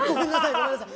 ごめんなさい。